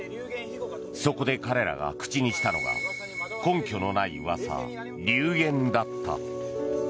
そこで彼らが口にしたのは根拠のない噂、流言だった。